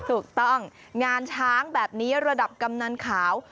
ถูกต้องงานช้างแบบนี้ระดับกำนันขาว